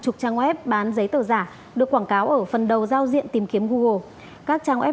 chục trang web bán giấy tờ giả được quảng cáo ở phần đầu giao diện tìm kiếm google các trang web